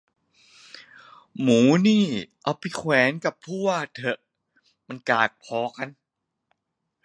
หมูนี่เอาไปแขวนกับผู้ว่าเถอะ กากพอกัน